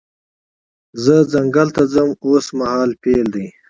زه ځنګل ته ځم اوس مهال فعل دی.